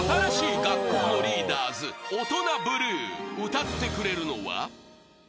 ［歌ってくれるのは］